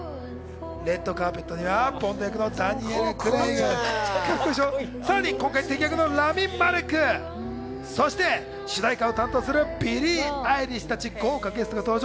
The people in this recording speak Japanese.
レッドカーペットにはボンド役のダニエル・クレイグや、今回、敵役のラミ・マレック、そして主題歌を担当するビリー・アイリッシュたち、豪華ゲストが登場。